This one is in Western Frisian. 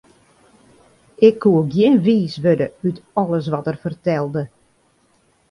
Ik koe gjin wiis wurde út alles wat er fertelde.